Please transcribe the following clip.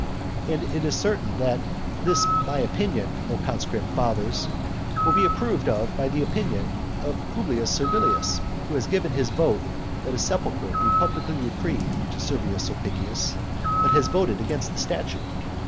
And it is certain that this my opinion, O conscript fathers, will be approved of by the opinion of Publius Servilius, who has given his vote that a sepulchre be publicly decreed to Servius Sulpicius, but has voted against the statue.